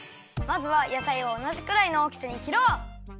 まずは野菜をおなじくらいのおおきさに切ろう！